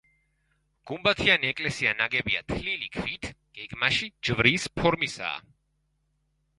გუმბათიანი ეკლესია ნაგებია თლილი ქვით, გეგმაში ჯვრის ფორმისაა.